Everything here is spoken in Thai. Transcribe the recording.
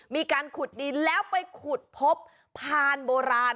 มีการขุดดินแล้วไปขุดพบพานโบราณ